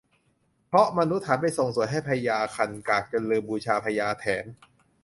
เพราะมนุษย์หันไปส่งส่วยให้พญาคันคากจนลืมบูชาพญาแถน